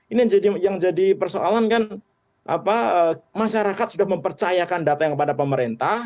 ini yang jadi persoalan kan masyarakat sudah mempercayakan data yang kepada pemerintah